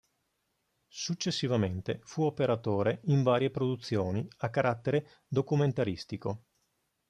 Successivamente fu operatore in varie produzioni a carattere documentaristico.